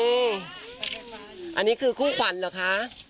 อุ๊ยอันนี้คือคุ้นฝันเหรอค่ะ